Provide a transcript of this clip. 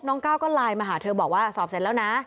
ก้าวก็ไลน์มาหาเธอบอกว่าสอบเสร็จแล้วนะ